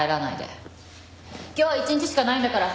今日一日しかないんだから。